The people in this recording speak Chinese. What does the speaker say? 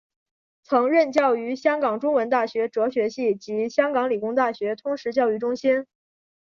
曾任教于香港中文大学哲学系及香港理工大学通识教育中心。